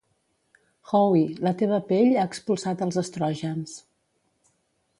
Howie, la teva pell ha expulsat els estrògens.